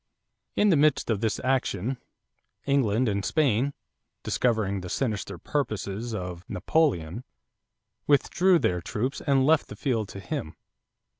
In the midst of this action England and Spain, discovering the sinister purposes of Napoleon, withdrew their troops and left the field to him.